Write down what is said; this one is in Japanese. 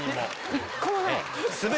一個もない？